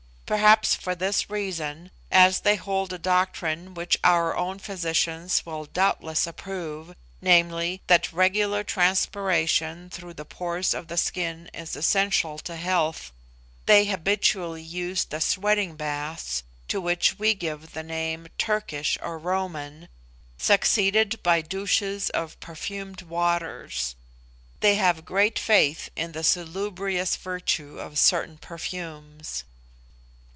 Perhaps for this reason, as they hold a doctrine which our own physicians will doubtless approve viz., that regular transpiration through the pores of the skin is essential to health, they habitually use the sweating baths to which we give the name Turkish or Roman, succeeded by douches of perfumed waters. They have great faith in the salubrious virtue of certain perfumes.